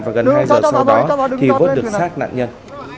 và gần hai h sau đó thì vớt được sát nạn nhân